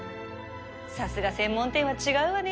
さすが専門店は違うわね